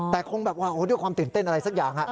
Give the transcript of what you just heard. แต่คงแบบว่าด้วยความตื่นเต้นอะไรสักอย่าง